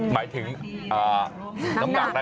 หมายถึงน้ำหนักนะครับค่ะน้ำหนักแน่